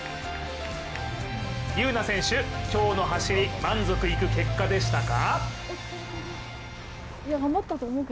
優苗選手、今日の走り満足いく結果でしたか？